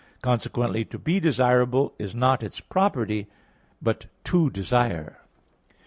Consequently, to be desirable is not its property, but to desire.